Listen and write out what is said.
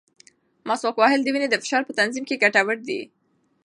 مسواک وهل د وینې د فشار په تنظیم کې ګټور دی.